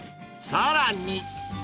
さらに